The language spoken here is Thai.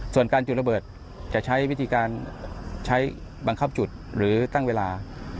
ส่วนการจุดระเบิดจะใช้วิธีการใช้บังคับจุดหรือตั้งเวลา